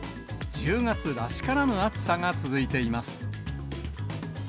１０月らしからぬ暑さが続いています。